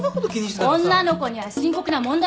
女の子には深刻な問題なんです。